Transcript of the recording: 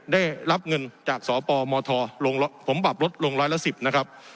ได้รับเงินจากสปมทผมปรับลดลงร้อยละ๑๐นะครับ